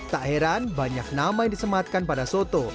tak heran banyak nama yang disematkan pada soto